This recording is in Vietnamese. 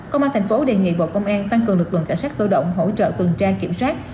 công an tp hcm đề nghị bộ công an tăng cường lực lượng tả sát tự động hỗ trợ tuần tra kiểm soát